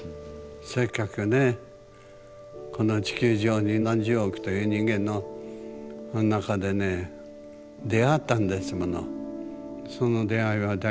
せっかくねこの地球上に何十億という人間の中でね出会ったんですもの。